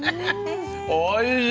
おいしい！